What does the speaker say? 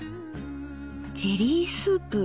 ジェリースープ。